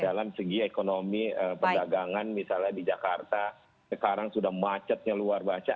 dalam segi ekonomi perdagangan misalnya di jakarta sekarang sudah macetnya luar baca